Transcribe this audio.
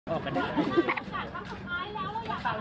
โอเคครับไม่ต้องเลาะลงไปเลย